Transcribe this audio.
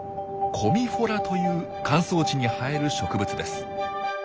コミフォラという乾燥地に生える植物です。